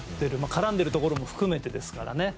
絡んでいるところも含めてですからね。